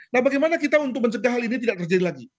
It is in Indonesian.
nah bagaimana kita untuk mencegah hal ini tidak terjadi lagi